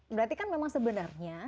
berarti kan memang sebenarnya